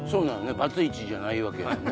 バツイチじゃないわけやんね